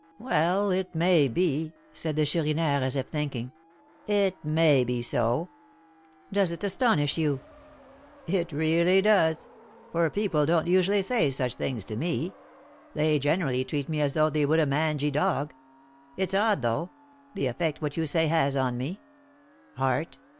"Well, it may be," said the Chourineur, as if thinking, "it may be so." "Does it astonish you?" "It really does; for people don't usually say such things to me; they generally treat me as they would a mangy dog. It's odd, though, the effect what you say has on me. Heart!